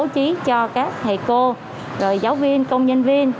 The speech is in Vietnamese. chúng tôi cũng đã bố trí cho các thầy cô rồi giáo viên công nhân viên